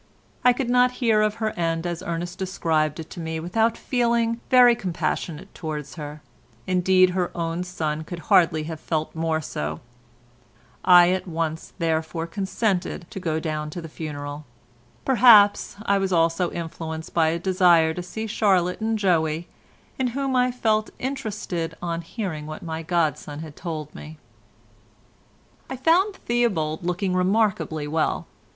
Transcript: I could not hear of her end as Ernest described it to me without feeling very compassionate towards her, indeed her own son could hardly have felt more so; I at once, therefore, consented to go down to the funeral; perhaps I was also influenced by a desire to see Charlotte and Joey, in whom I felt interested on hearing what my godson had told me. I found Theobald looking remarkably well.